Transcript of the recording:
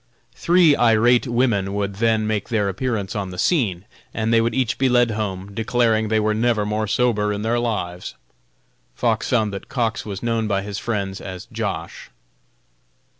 Three irate women would then make their appearance on the scene, and they would each be led home, declaring they were never more sober in their lives. Fox found that Cox was known by his friends as Josh.